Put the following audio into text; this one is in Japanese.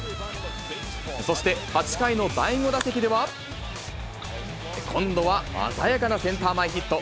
そして８回の第５打席では、今度は鮮やかなセンター前ヒット。